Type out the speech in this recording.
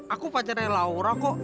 aku pacarnya laura kok